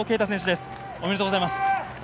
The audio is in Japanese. ありがとうございます。